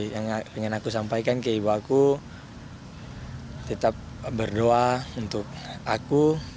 yang ingin aku sampaikan ke ibu aku tetap berdoa untuk aku